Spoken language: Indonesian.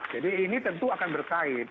jadi ini tentu akan berkait